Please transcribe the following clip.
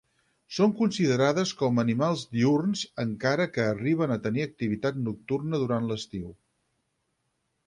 Són considerades com a animals diürns, encara que arriben a tenir activitat nocturna durant l'estiu.